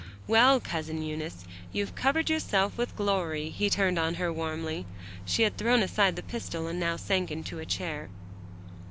"Well, Cousin Eunice, you've covered yourself with glory," he turned on her warmly. She had thrown aside the pistol, and now sank into a chair.